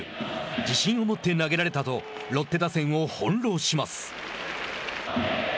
自信を持って投げられたとロッテ打線を翻弄します。